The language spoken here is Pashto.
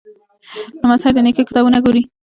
لمسی د نیکه کتابونه ګوري.